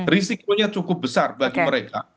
risikonya cukup besar bagi mereka